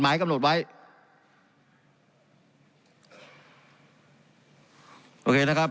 การปรับปรุงทางพื้นฐานสนามบิน